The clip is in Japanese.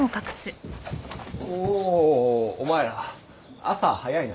・おおおお前ら朝早いな。